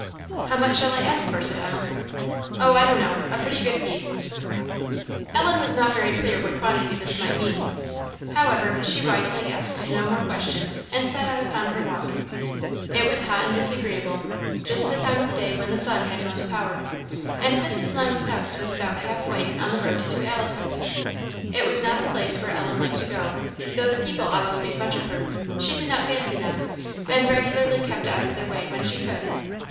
"How much shall I ask for?" said Ellen. "Oh, I don't know a pretty good piece." Ellen was not very clear what quantity this might mean. However, she wisely asked no more questions, and set out upon her walk. It was hot and disagreeable; just the time of day when the sun had most power, and Mrs. Lowndes' house was about half way on the road to Alice's. It was not a place where Ellen liked to go, though the people always made much of her; she did not fancy them, and regularly kept out of their way when she could.